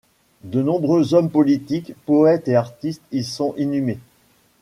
De nombreux hommes politiques, poètes et artistes y sont inhumés.